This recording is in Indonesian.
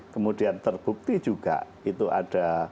kemudian terbukti juga itu ada